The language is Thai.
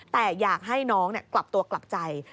แต่อยากให้น้องกลับตัวกลับใจ